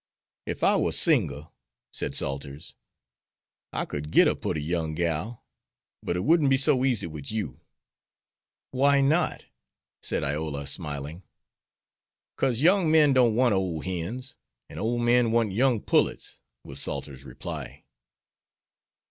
"Ef I war single," said Salters, "I could git a putty young gal, but it wouldn't be so easy wid you." "Why not?" said Iola, smiling. "'Cause young men don't want ole hens, an' ole men want young pullets," was Salter's reply.